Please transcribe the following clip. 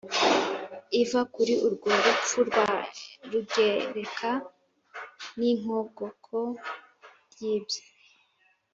iva kuri urwo rupfu rwa rugereka n'ikongoka ry'ibye